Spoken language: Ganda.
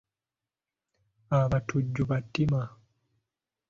Abatujju battima